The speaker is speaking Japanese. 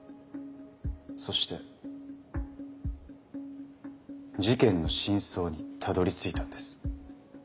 そして事件の真相にたどりついたんです。